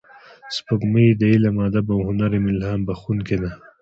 سپوږمۍ د علم، ادب او هنر الهام بخښونکې ده